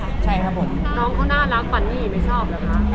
ไม่ชอบหรอกค่ะ